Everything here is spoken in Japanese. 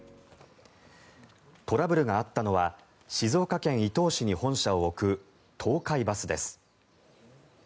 トラブルがあったのは静岡県伊東市に本社を置く東海バスです。